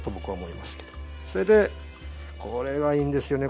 それでこれがいいんですよね